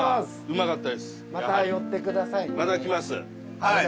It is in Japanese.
うまかったですやはり。